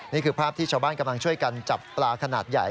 นี่คือภาพที่ชาวบ้านกำลังช่วยกันจับปลาขนาดใหญ่